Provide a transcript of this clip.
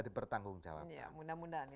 dipertanggung jawab mudah mudahan